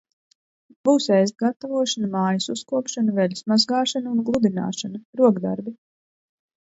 Būs ēst gatavošana, mājas uzkopšana, veļas mazgāšana un gludināšana, rokdarbi.